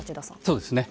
そうですね。